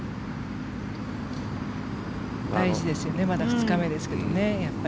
大事ですよねまだ２日目ですけど。